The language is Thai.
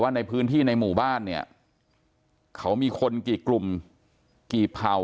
ในพื้นที่ในหมู่บ้านเนี่ยเขามีคนกี่กลุ่มกี่เผ่า